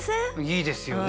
いいですよね。